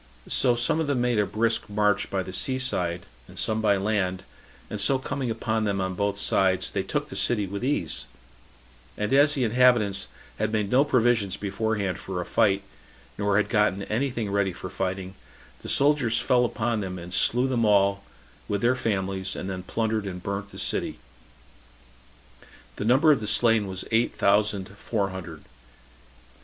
So some of them made a brisk march by the sea side, and some by land, and so coming upon them on both sides, they took the city with ease; and as the inhabitants had made no provision beforehand for a flight, nor had gotten any thing ready for fighting, the soldiers fell upon them, and slew them all, with their families, and then plundered and burnt the city. The number of the slain was eight thousand four hundred.